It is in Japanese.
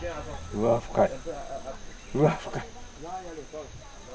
うわ深い。